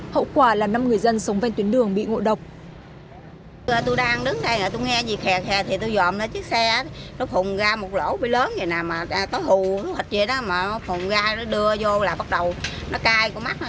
hậu quả là năm người dân sống ven tuyến đường bị ngộ độc